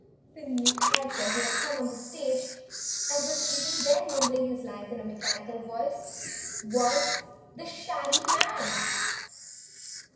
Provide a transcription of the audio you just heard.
The new character who had come on the stage and was even then mumbling his lines in a mechanical voice was the Shaggy Man!